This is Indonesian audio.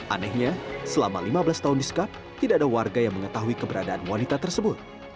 anehnya selama lima belas tahun disekap tidak ada warga yang mengetahui keberadaan wanita tersebut